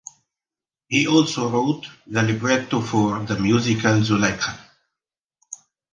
He also wrote the libretto for the musical "Zuleika".